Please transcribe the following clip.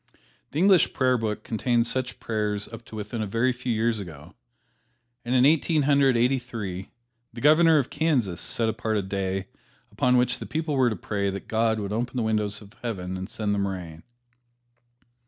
The English Prayer Book contained such prayers up to within a very few years ago, and in Eighteen Hundred Eighty three the Governor of Kansas set apart a day upon which the people were to pray that God would open the windows of Heaven and send them rain.